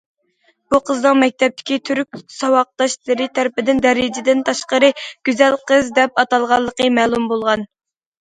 بۇ قىزنىڭ مەكتەپتىكى تۈرك ساۋاقداشلىرى تەرىپىدىن« دەرىجىدىن تاشقىرى گۈزەل قىز» دەپ ئاتالغانلىقى مەلۇم بولغان.